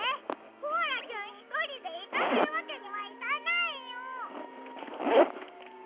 コアラちゃんひとりでいかせるわけにはいかないよ！